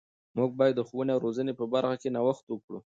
موږ باید د ښوونې او روزنې په برخه کې نوښت وکړو.